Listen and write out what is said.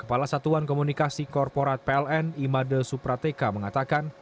kepala satuan komunikasi korporat pln imade suprateka mengatakan